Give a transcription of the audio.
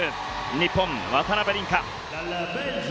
日本、渡辺倫果。